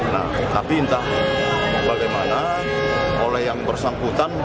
nah tapi entah bagaimana oleh yang bersangkutan